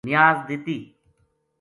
نیاز دِتی